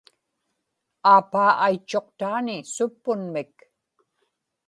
aapaa aitchuqtaani suppunmik